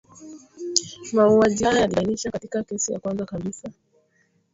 mauaji haya yalibainisha katika kesi ya kwanza kabisa